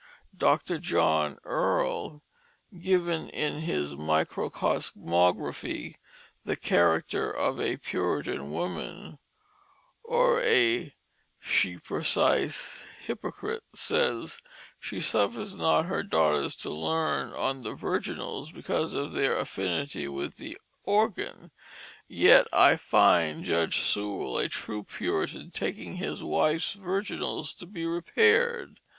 Dr. John Earle gives in his Microcosmographie, the character of a Puritan woman, or a "shee precise Hypocrite," saying "shee suffers not her daughters to learne on the Virginalls, because of their affinity with the Organs," yet I find Judge Sewall, a true Puritan, taking his wife's virginals to be repaired.